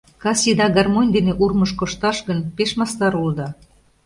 Кас еда гармонь дене урмыж кошташ гын, пеш мастар улыда...